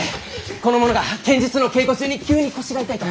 この者が剣術の稽古中に急に腰が痛いと。